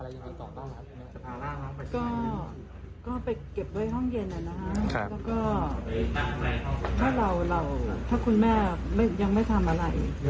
แล้วก็ถ้าเราถาคุณแม่ยังไม่ทำอะไร